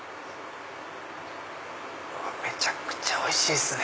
めちゃくちゃおいしいっすね！